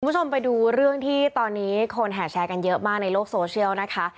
คุณผู้ชมไปดูเรื่องที่ตอนนี้คนแห่แชร์กันเยอะมากในโลกโซเชียลนะคะ